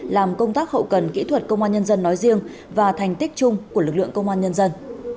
làm công tác hậu cần kỹ thuật công an nhân dân nói riêng và thành tích chung của lực lượng công an nhân dân